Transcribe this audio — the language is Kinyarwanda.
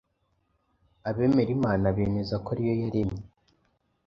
Abemera Imana bemeza ko ari yo yaremye